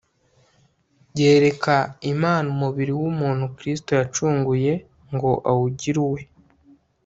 yereka imana umubiri w'umuntu kristo yacunguye ngo awugire uwe